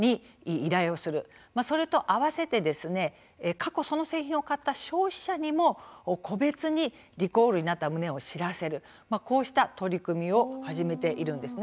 それと合わせて過去、その製品を買った消費者にも個別にリコールになった旨を知らせるこうした取り組みを始めているんです。